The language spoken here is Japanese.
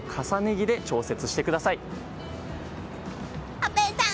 阿部さん